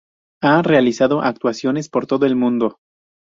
Ha realizado actuaciones por todo el mundo.